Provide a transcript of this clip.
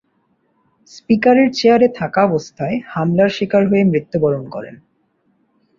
স্পিকারের চেয়ারে থাকাবস্থায় হামলার শিকার হয়ে মৃত্যুবরণ করেন।